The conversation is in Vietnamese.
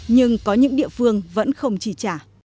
nhưng có những địa phương vẫn không chỉ trả